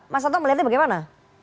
mas toto melihatnya bagaimana